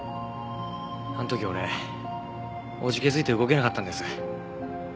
あの時俺怖気づいて動けなかったんです。